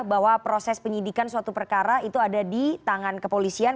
bahwa proses penyidikan suatu perkara itu ada di tangan kepolisian